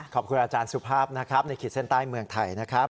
ขอบคุณอาจารย์สุภาพนะครับในขีดเส้นใต้เมืองไทยนะครับ